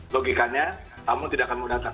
logikanya tamu tidak akan mau datang